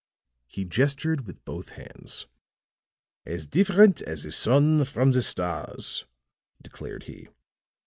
He gestured with both hands. "As different as the sun from the stars," declared he.